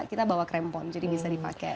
kita bawa krempon jadi bisa dipakai